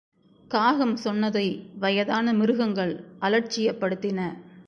காகம் சொன்னதை வயதான மிருகங்கள் அலட்சியப்படுத்தின.